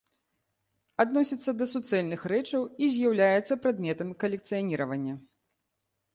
Адносіцца да суцэльных рэчаў і з'яўляецца прадметам калекцыяніравання.